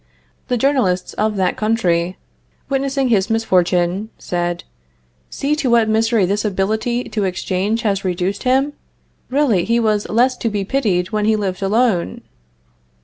The journalists of that country, witnessing his misfortune, said: "See to what misery this ability to exchange has reduced him! Really, he was less to be pitied when he lived alone."